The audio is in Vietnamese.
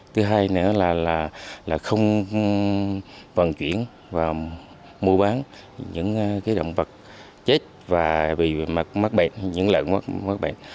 thứ hai nữa là không vận chuyển và mua bán những động vật chết và bị mắc bệnh những lợn mắc bệnh